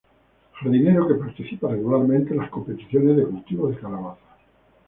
Jardinero que participa regularmente en las competiciones de cultivo de calabazas.